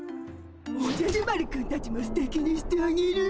おじゃる丸くんたちもすてきにしてあげる。